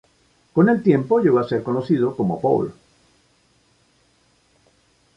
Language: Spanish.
Con el tiempo llegó a ser conocido como Paul.